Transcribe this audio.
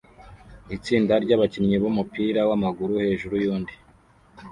Itsinda ryabakinnyi bumupira wamaguru hejuru yundi